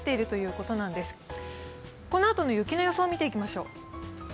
このあとの雪の予想を見ていきましょう。